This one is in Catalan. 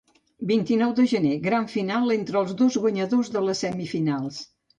Vint-i-nou de gener: gran final entre els dos guanyadors de les semifinals.